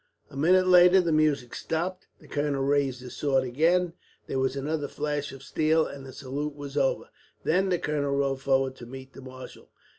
A minute later the music stopped, the colonel raised his sword again, there was another flash of steel, and the salute was over. Then the colonel rode forward to meet the marshal.